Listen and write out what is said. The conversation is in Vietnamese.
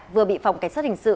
vừa bị phòng cảnh sát hình sự